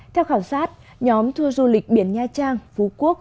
theo khảo sát nhóm tour du lịch biển nha trang phú quốc